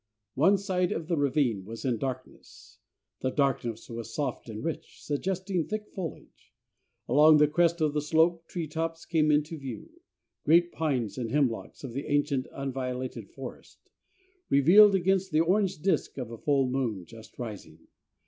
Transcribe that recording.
One side of the ravine was in darkness. The darkness was soft and rich, suggesting thick foliage. Along the crest of the slope tree tops came into view great pines and hemlocks of the ancient unviolated forest revealed against the orange disk of a full moon just rising.